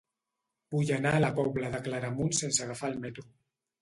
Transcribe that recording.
Vull anar a la Pobla de Claramunt sense agafar el metro.